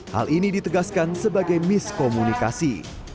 hal ini ditegaskan sebagai miskomunikasi